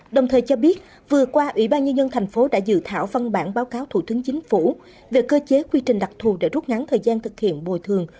đồng thời cho biết vừa qua ủy ban nhân dân thành phố đã dự thảo văn bản báo cáo thủ tướng chính phủ về cơ chế quy trình đặc thù để rút ngắn thời gian thực hiện bồi thường